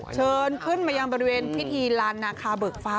เชิญขึ้นมายังบริเวณพิธีลานนาคาเบิกฟ้า